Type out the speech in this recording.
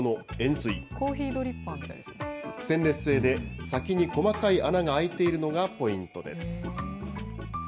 ステンレス製で、先に細かい穴が開いているのがポイントです。